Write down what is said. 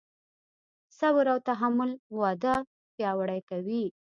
صبر او تحمل واده پیاوړی کوي.